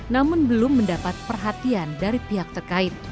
namun belum mendapat perhatian dari pihak terkait